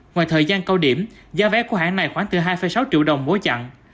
ngoài thời gian cao điểm giá vé của hãng này khoảng từ hai sáu triệu đồng mỗi chặng